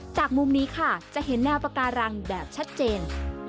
จากมุมนี้ค่ะจะเห็นแนวปาการังแบบชัดเจน